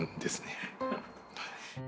はい。